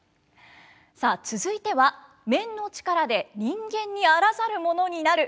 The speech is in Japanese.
さあ続いては面の力で人間にあらざるものになる